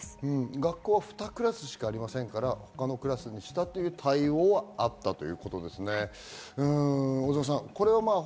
学校は２クラスしかありませんから他のクラスにしたという対応はあったということですね。